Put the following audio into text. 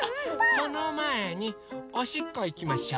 そのまえにおしっこいきましょう。